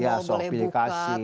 ya soal pilih kasih